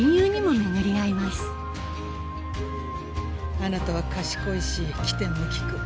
あなたは賢いし機転も利く。